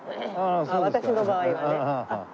私の場合はね。